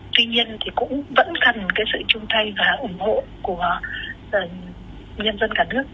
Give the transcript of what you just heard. tuy nhiên thì cũng vẫn cần cái sự chung thay và ủng hộ của nhân dân cả nước